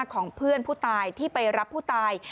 ของเพื่อนผู้ตายที่ไปรับผู้ตาย